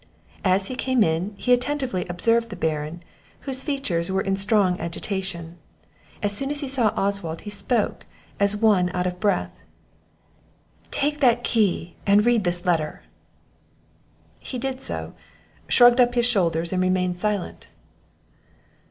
As he came in he attentively observed the Baron, whose features were in strong agitation; as soon as he saw Oswald, he spoke as one out of breath. "Take that key, and read this letter!" He did so, shrugged up his shoulders, and remained silent.